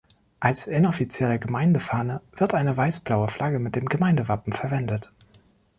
Als inoffizielle Gemeindefahne wird eine weiß-blaue Flagge mit dem Gemeindewappen verwendet.